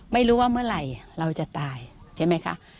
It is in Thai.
ไม่รู้ว่าเมื่อไหร่เราจะตายใช่ไหมคะ